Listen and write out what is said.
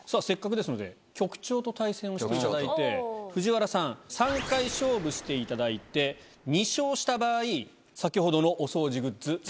せっかくですので局長と対戦をしていただいて藤原さん３回勝負していただいて２勝した場合先ほどのお掃除グッズ